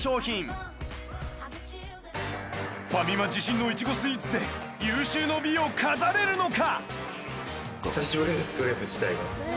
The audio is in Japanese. ファミマ自信のいちごスイーツで有終の美を飾れるのか？